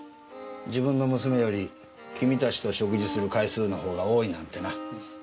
自分の娘より君たちと食事する回数の方が多いなんてな。